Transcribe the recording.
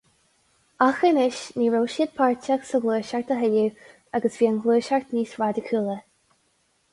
Ach anois, ní raibh siad páirteach sa Ghluaiseacht a thuilleadh agus bhí an Ghluaiseacht níos raidiciúla.